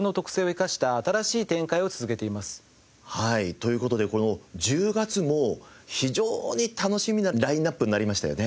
という事でこの１０月も非常に楽しみなラインアップになりましたよね。